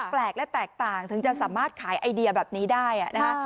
แปลกและแตกต่างถึงจะสามารถขายไอเดียแบบนี้ได้นะคะ